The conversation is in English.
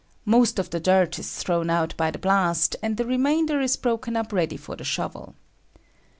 Most of the dirt is thrown out by the blast and the remainder is broken up ready for the shovel.